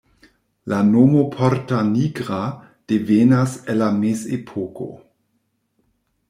La nomo "Porta Nigra" devenas el la mezepoko.